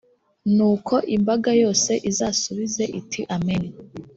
nuko imbaga yose izasubize iti «amen».